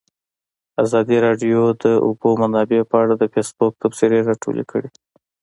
ازادي راډیو د د اوبو منابع په اړه د فیسبوک تبصرې راټولې کړي.